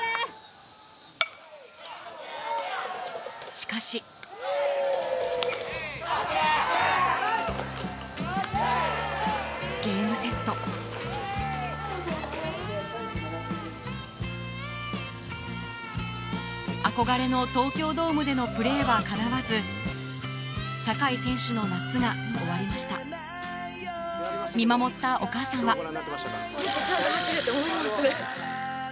・しかしゲームセット憧れの東京ドームでのプレーは叶わず坂井選手の夏が終わりました見守ったお母さんはって思いましたね。